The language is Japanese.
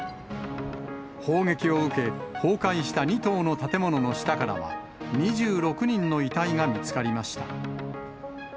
砲撃を受け、崩壊した２棟の建物の下からは、２６人の遺体が見つかりました。